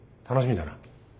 楽しみだな。